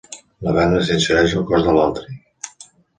La vela s'insereix al cos de l'atri.